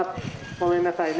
ごめんなさいね。